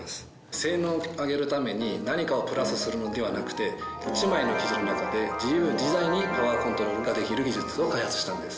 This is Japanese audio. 性能を上げるために何かをプラスするのではなくて１枚の生地の中で自由自在にパワーコントロールができる技術を開発したんです。